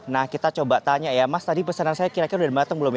nah kita coba tanya ya mas tadi pesanan saya kira udah datang belum ya